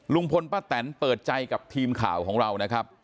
ลุงพลป้าแตนเปิดใจกับทีมข่าวของเรานะครับ